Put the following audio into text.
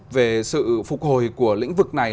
về sự phục hồi của lĩnh vực này